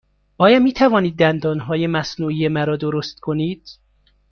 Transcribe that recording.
آیا می توانید دندانهای مصنوعی مرا درست کنید؟